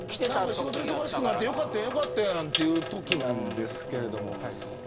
仕事忙しくなってよかったやんってときなんですけれども。